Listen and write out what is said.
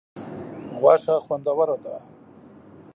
غوښه خوندوره ده.